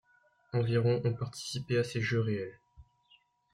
Environ ont participé à ces jeux réels.